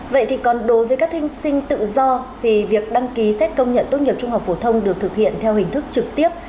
vậy thì còn đối với các thí sinh tự do thì việc đăng ký xét công nhận tốt nghiệp trung học phổ thông được thực hiện theo hình thức trực tiếp